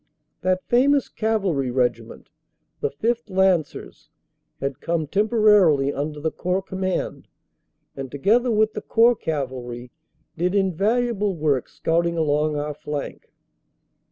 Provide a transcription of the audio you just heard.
That famous cavalry regiment, the Fifth Lancers, had come temporarily under the Corps Command and together with the Corps Cavalry did invaluable work scouting along our flank.